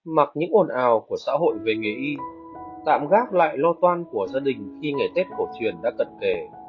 mặc những ồn ào của xã hội về nghề y tạm gác lại lo toan của gia đình khi ngày tết cổ truyền đã cận kề